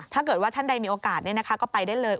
ถ้าเกิดว่าท่านใดมีโอกาสเนี่ยนะคะก็ไปได้เลย